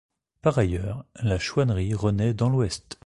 Par ailleurs, la Chouannerie renaît dans l'Ouest.